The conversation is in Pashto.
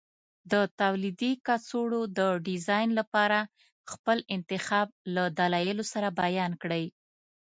د تولیدي کڅوړو د ډیزاین لپاره خپل انتخاب له دلایلو سره بیان کړئ.